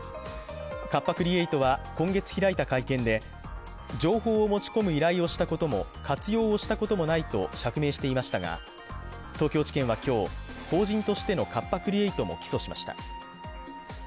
カッパ・クリエイトは今月開いた会見で情報を持ち込む依頼をしたことも活用をしたこともないと釈明していましたが、東京地検は今日、法人としてのカッパ・クリエイトも起訴しました。